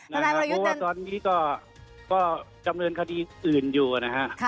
เพราะว่าตอนนี้ก็จำเนินคดีอื่นอยู่นะฮะ